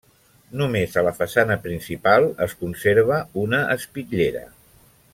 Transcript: Només a la façana principal es conserva una espitllera.